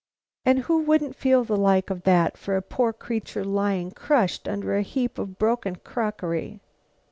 "And who wouldn't feel the like of that for a poor creature lying crushed under a heap of broken crockery!"